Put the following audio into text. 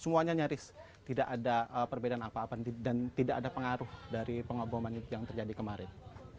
semuanya nyaris tidak ada perbedaan apa apa dan tidak ada pengaruh dari pengaboman yang terjadi kemarin